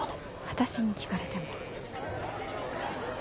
私に聞かれても。